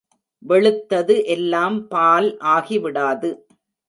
வெளுத்தது எல்லாம் பால் ஆகிவிடாது.